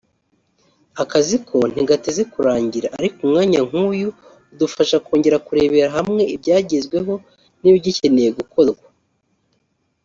“Akazi ko ntigateze kurangira ariko umwanya nk’uyu udufasha kongera kurebera hamwe ibyagezweho n’ibigikeneye gukorwa